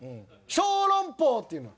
「小籠包！」っていうの。